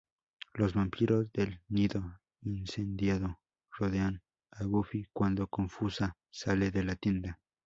Los vampiros del nido incendiado rodean a Buffy cuando, confusa, sale de la tienda.